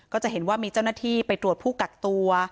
ก็จะเห็นว่ามีเจ้าหน้าที่ไปตรวจผู้กักตัว